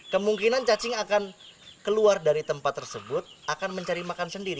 kemungkinan cacing akan keluar dari tempat tersebut akan mencari makan sendiri